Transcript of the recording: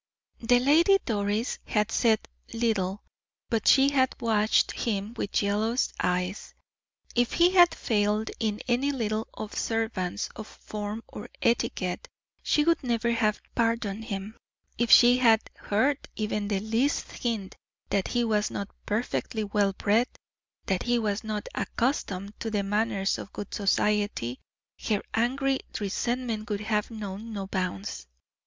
The Lady Doris had said little, but she had watched him with jealous eyes. If he had failed in any little observance of form or etiquette, she would never have pardoned him; if she had heard even the least hint that he was not perfectly well bred, that he was not accustomed to the manners of good society, her angry resentment would have known no bounds.